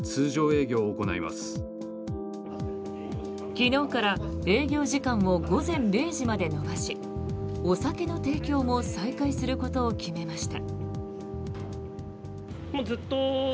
昨日から営業時間を午前０時まで延ばしお酒の提供も再開することを決めました。